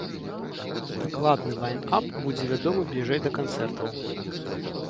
Дакладны лайн-ап будзе вядомы бліжэй да канцэртаў.